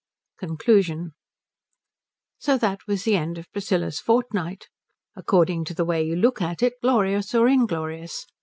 CONCLUSION So that was the end of Priscilla's fortnight, according to the way you look at it glorious or inglorious.